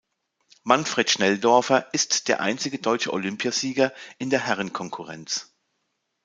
Manfred Schnelldorfer ist der einzige deutsche Olympiasieger in der Herrenkonkurrenz.